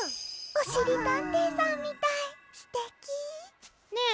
おしりたんていさんみたいすてき。ねえ